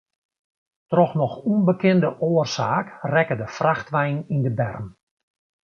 Troch noch ûnbekende oarsaak rekke de frachtwein yn de berm.